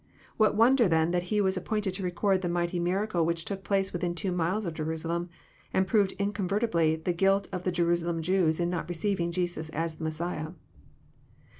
What wonder, then, that he was appointed to record the mighty mira cle which took place within two miles of Jerusalem, and proved incontrovertlbly the guilt of the Jerusalem Jews in not receiving Jesus as the Messiah